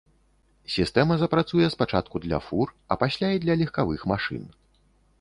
Сістэма запрацуе спачатку для фур, а пасля і для легкавых машын.